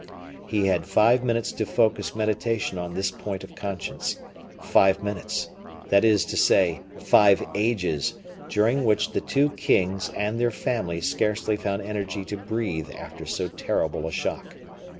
He had five minutes to focus meditation on this point of conscience; five minutes, that is to say five ages, during which the two kings and their family scarcely found energy to breathe after so terrible a shock.